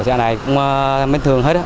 thì anh ai cũng mến thương hết